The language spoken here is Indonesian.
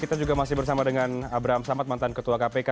kita juga masih bersama dengan abraham samad mantan ketua kpk